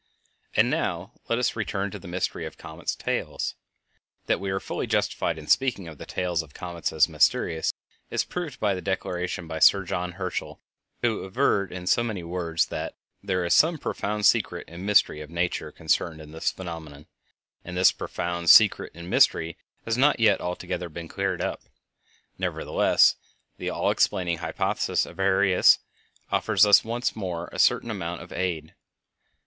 And now let us return to the mystery of comets' tails. That we are fully justified in speaking of the tails of comets as mysterious is proved by the declaration of Sir John Herschel, who averred, in so many words, that "there is some profound secret and mystery of nature concerned in this phenomenon," and this profound secret and mystery has not yet been altogether cleared up. Nevertheless, the all explaining hypothesis of Arrhenius offers us once more a certain amount of aid.